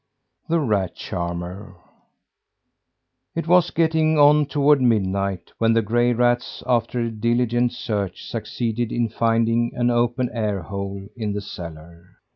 THE RAT CHARMER It was getting on toward midnight when the gray rats after a diligent search succeeded in finding an open air hole in the cellar.